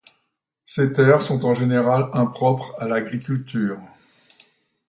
Ces terres sont en général impropres à l'agriculture.